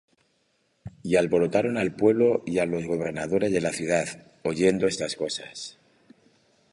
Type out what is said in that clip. Y alborotaron al pueblo y á los gobernadores de la ciudad, oyendo estas cosas.